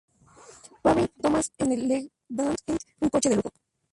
Parry-Thomas en el Leyland Eight, un coche de lujo.